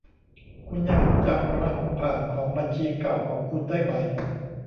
คุณยังจำรหัสผ่านของบัญชีเก่าของคุณได้ไหม